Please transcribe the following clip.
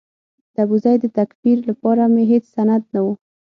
د ابوزید د تکفیر لپاره مې هېڅ سند نه و.